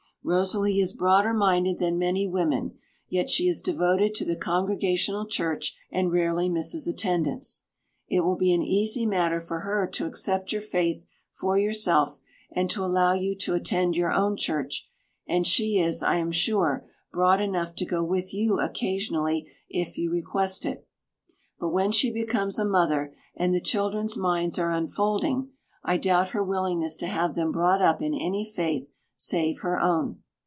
Rosalie is broader minded than many women, yet she is devoted to the Congregational Church, and rarely misses attendance. It will be an easy matter for her to accept your faith for yourself and to allow you to attend your own church, and she is, I am sure, broad enough to go with you occasionally, if you request it. But when she becomes a mother, and the children's minds are unfolding, I doubt her willingness to have them brought up in any faith save her own.